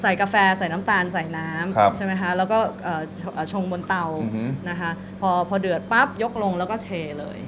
กาแฟใส่น้ำตาลใส่น้ำใช่ไหมคะแล้วก็ชงบนเตานะคะพอเดือดปั๊บยกลงแล้วก็เทเลย